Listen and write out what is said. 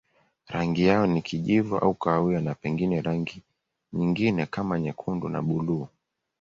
Rangi yao ni kijivu au kahawia na pengine rangi nyingine kama nyekundu na buluu.